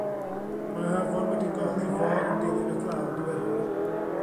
Mae'r afon wedi gorlifo yn dilyn y glaw diweddar.